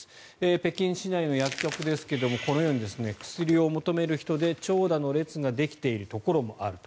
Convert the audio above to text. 北京市内の薬局ですがこのように薬を求める人で長蛇の列ができているところもあると。